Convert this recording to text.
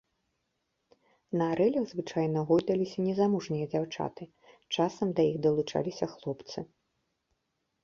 На арэлях звычайна гойдаліся незамужнія дзяўчаты, часам да іх далучаліся хлопцы.